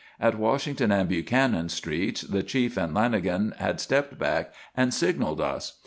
At Washington and Buchanan Streets the Chief and Lanagan had stepped back and signalled us.